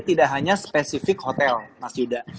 tidak hanya spesifik hotel mas yuda